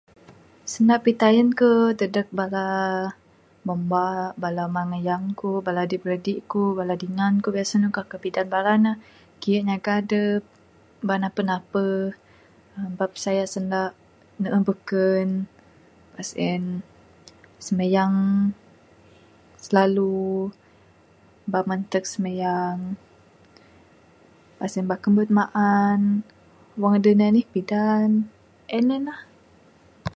Sanda pitayun kuk dadeg mamba, bala amang ayang kuk, bala adik biradik kuk, bala dingan kuk biasa ne kuk pidaan bala ne. Kiyu' nyaga adup, bak napuh napuh. Bak pisayak sanda ne'uh bekun. Muh sien, simayang slalu. Bak manteg simayang. Moh sien, bak kambut maan. Wang aduh anih anih, pidaan. En en lah.